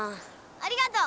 ありがとう！